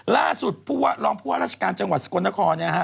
ล่าสุดลองพ่อราชการจังหวัดสกลนครนะฮะ